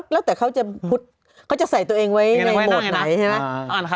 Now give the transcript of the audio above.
แล้วแต่เค้าจะใส่ตัวเองไว้ในนายนะ